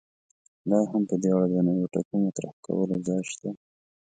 لا هم په دې اړه د نویو ټکو مطرح کولو ځای شته.